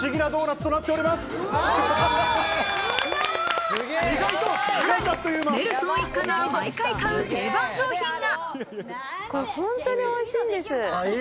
さらにネルソン一家が毎回買う定番商品が。